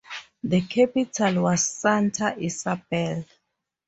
The capital was Santa Isabel.